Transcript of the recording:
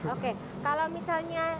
oke kalau misalnya